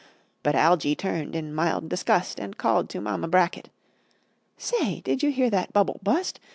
But Algy turned in mild disgust, And called to Mama Bracket, "Say, did you hear that bubble bu'st?